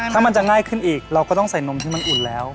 ถ้ามันจะง่ายขึ้นอีกเราก็ต้องใส่นมที่มันอุ่นแล้ว